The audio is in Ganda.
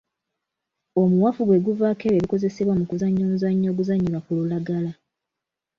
Omuwafu gwe guvaako ebyo ebikozesebwa mu kuzannya omuzannyo oguzannyirwa ku lulagala.